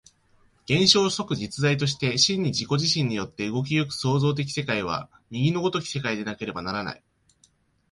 現象即実在として真に自己自身によって動き行く創造的世界は、右の如き世界でなければならない。